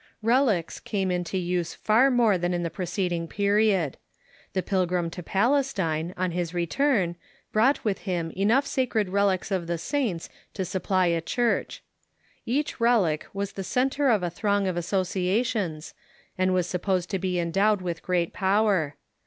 Relics came into use far more than in the preceding period. The pilgrim to Palestine, on his return, brought with him enough sacred relics of the saints to supply a church. Each relic was the centre of a throng of associations, and was supposed to be endowed with great power.